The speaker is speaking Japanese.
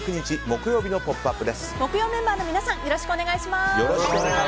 木曜メンバーの皆さんよろしくお願いします。